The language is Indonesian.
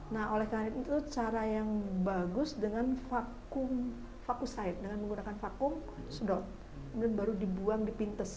nah oleh karena itu cara yang bagus dengan vakum vakusai dengan menggunakan vakum sedot kemudian baru dibuang dipintes